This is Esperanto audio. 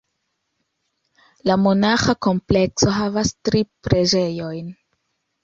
La monaĥa komplekso havas tri preĝejojn.